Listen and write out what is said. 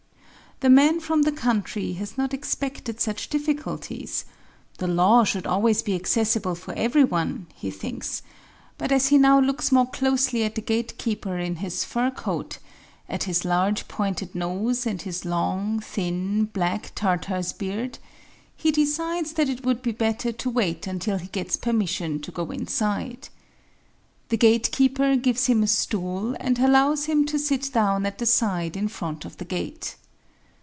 The man from the country has not expected such difficulties: the law should always be accessible for everyone, he thinks, but as he now looks more closely at the gatekeeper in his fur coat, at his large pointed nose and his long, thin, black Tartar's beard, he decides that it would be better to wait until he gets permission to go inside. The gatekeeper gives him a stool and allows him to sit down at the side in front of the gate.